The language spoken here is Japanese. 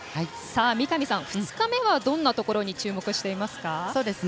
三上さん、２日目はどんなところに注目していますか。